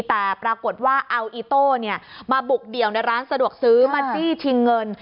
แต่ปรากฏว่าเอาอีโต้มาบุกเดี่ยวในร้านสะดวกซื้อมาจี้ชิงเงิน